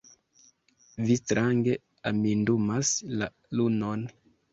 Vi strange amindumas la lunon!